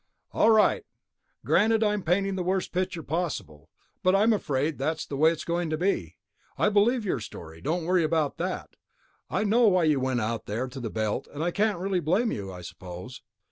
"All right, granted I'm painting the worst picture possible ... but I'm afraid that's the way it's going to be. I believe your story, don't worry about that. I know why you went out there to the Belt and I can't really blame you, I suppose.